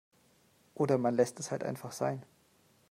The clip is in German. Oder man lässt es halt einfach sein.